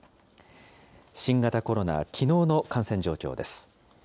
新型コロナ、きのうの感染状況です。